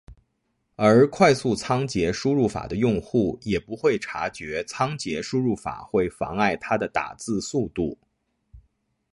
而快速仓颉输入法的用户也不会察觉仓颉输入法会妨碍他的打字速度。